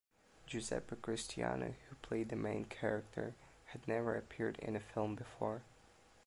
Giuseppe Cristiano, who played the main character, had never appeared in a film before.